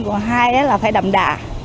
còn hai là phải đậm đà